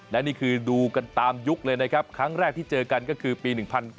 และนี่คือดูกันตามยุคเลยนะครับครั้งแรกที่เจอกันก็คือปี๑๙